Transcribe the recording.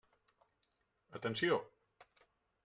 Atenció!